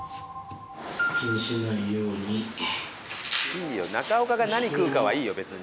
いいよ中岡が何食うかはいいよ別に。